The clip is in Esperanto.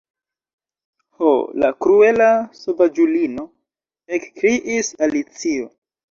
"Ho, la kruela sovaĝulino," ekkriis Alicio.